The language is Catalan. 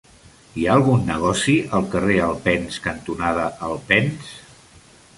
Hi ha algun negoci al carrer Alpens cantonada Alpens?